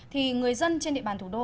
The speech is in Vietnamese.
thì người dân trên địa bàn thủ đô